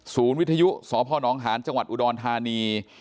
วิทยุสพนหาญจังหวัดอุดรธานี